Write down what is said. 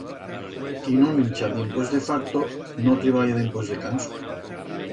Qui no mincha dimpués de farto, no treballa dimpués de canso.